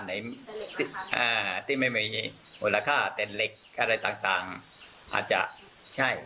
ไหนที่ไม่มีมูลค่าแต่เหล็กอะไรต่างอาจจะใช่